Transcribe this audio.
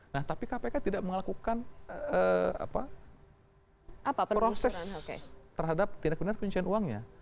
nah tapi kpk tidak melakukan proses terhadap tindak benar kuncian uangnya